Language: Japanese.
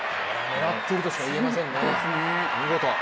狙っているとしか言えませんね、見事。